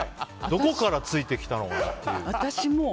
どこからついてきたのかなっていう。